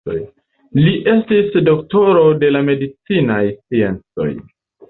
Li estis doktoro de la medicinaj sciencoj.